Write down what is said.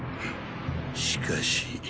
しかし。